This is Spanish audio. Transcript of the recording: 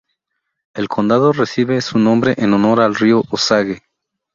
El condado recibe su nombre en honor al río Osage.